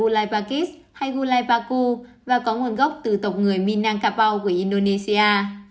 gulai pakit hay gulai paku và có nguồn gốc từ tộc người minang kapau của indonesia